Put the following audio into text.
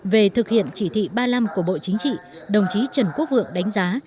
về thực hiện chỉ thị ba mươi năm của bộ chính trị đồng chí trần quốc vượng đánh giá